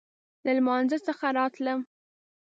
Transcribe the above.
له لمانځه څخه راتلم.